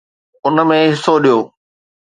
ان ۾ حصو ڏيو.